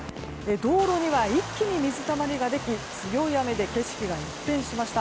道路には一気水たまりができて強い雨で景色が一変しました。